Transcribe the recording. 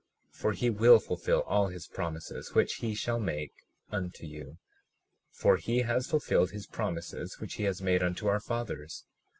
37:17 For he will fulfil all his promises which he shall make unto you, for he has fulfilled his promises which he has made unto our fathers.